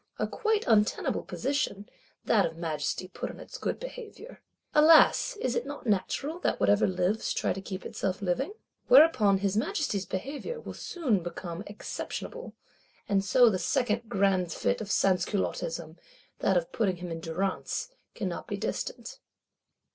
A quite untenable position, that of Majesty put on its good behaviour! Alas, is it not natural that whatever lives try to keep itself living? Whereupon his Majesty's behaviour will soon become exceptionable; and so the Second grand Fit of Sansculottism, that of putting him in durance, cannot be distant.